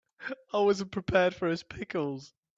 I wasn't prepared for his pickles.